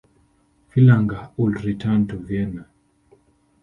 Fillunger would return to Vienna.